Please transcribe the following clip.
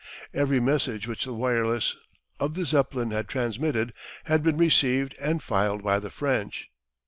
Every message which the wireless of the Zeppelin had transmitted had been received and filed by the French.